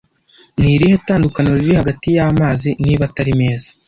Ni irihe tandukaniro riri hagati y’amazi - niba atari meza